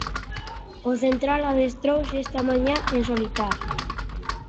O central adestrouse esta mañá en solitario.